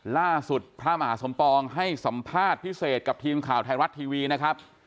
ล่าสุดพระมหาสมปองให้สัมภาษณ์พิเศษกับทีมข่าวไทยรัฐทีวีนะครับ